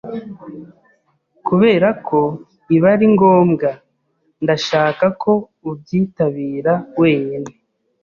Kubera ko ibi ari ngombwa, ndashaka ko ubyitabira wenyine.